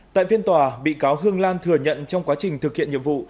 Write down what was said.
tại phiên tòa bị cáo hương lan thừa nhận trong quá trình thực hiện nhiệm vụ